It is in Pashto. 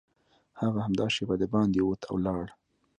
هغه همدا شېبه دباندې ووت او لاړ